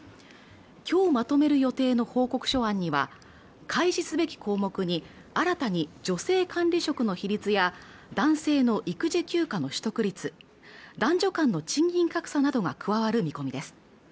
今日まとめる予定の報告書案には開示すべき項目に新たに女性管理職の比率や男性の育児休暇の取得率男女間の賃金格差などが加わる見込みです